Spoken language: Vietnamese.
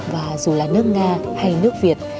và dù là nước nga hay nước việt